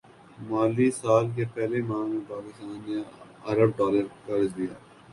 مالی سال کے پہلے ماہ میں پاکستان نے ارب ڈالر قرض لیا